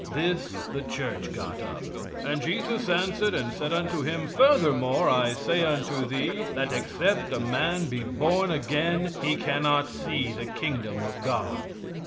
This, the Church got up: "And Jesus answered and said unto him: 'Furthermore I say unto thee that except a man be born again he cannot see the "Kingdom of God."'"